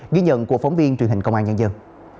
ghi nhận của phóng viên truyền hình công an nhân dân